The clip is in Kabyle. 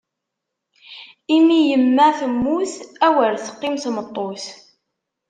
Imiyeimma temmut, awer teqqim tmeṭṭut!